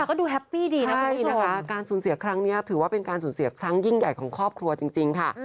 ก็ดูแฮปปี้ดีนะใช่นะคะการสูญเสียครั้งนี้ถือว่าเป็นการสูญเสียครั้งยิ่งใหญ่ของครอบครัวจริงค่ะ